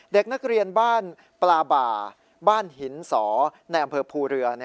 เด็กนักเรียนบ้านปลาบ่าบ้านหินสอในอำเภอภูเรือ